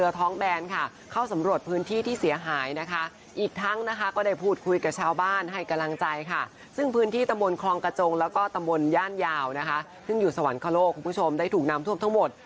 ยาวนะคะซึ่งอยู่สวรรคโลกคุณผู้ชมได้ถูกนำทุ่มทั้งหมด